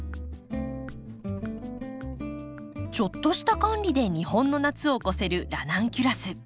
ちょっとした管理で日本の夏を越せるラナンキュラス。